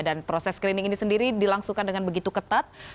dan proses screening ini sendiri dilangsungkan dengan begitu ketat